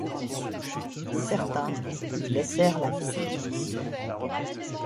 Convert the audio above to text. Certains y laissèrent la vie.